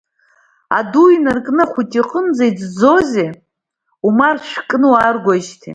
Аду инаиркны ахәыҷы иҟынӡа, иҵӡозеи умаршәа кны уааргоижьҭҽи.